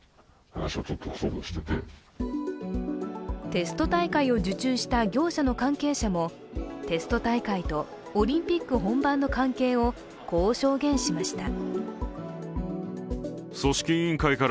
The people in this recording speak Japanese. テスト大会を受注した業者の関係者も、テスト大会とオリンピック本番の関係をこう証言しました。